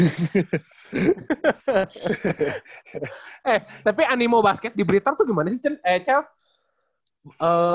eh tapi animo basket di blitar tuh gimana sih chen